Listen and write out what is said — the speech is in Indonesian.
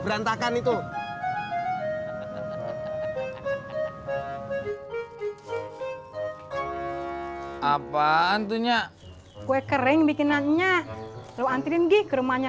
sampai jumpa di video selanjutnya